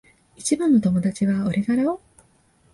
一番の友達は俺だろ？